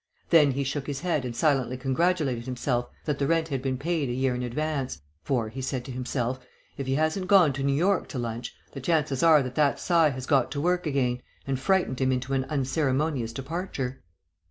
Then he shook his head and silently congratulated himself that the rent had been paid a year in advance; "for," he said, "if he hasn't gone to New York to lunch, the chances are that that sigh has got to work again and frightened him into an unceremonious departure."